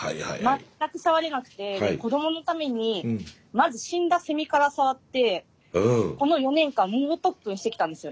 全くさわれなくてで子どものためにまず死んだセミからさわってこの４年間猛特訓してきたんですよ。